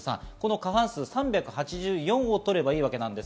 過半数３８４を取ればいいです。